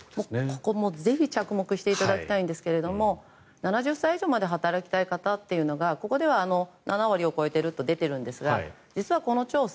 ここもぜひ着目していただきたいんですが７０歳以上まで働きたい方というのがここでは７割を超えていると出ているんですが実はこの調査